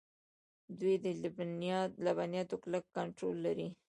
دوی د لبنیاتو کلک کنټرول لري.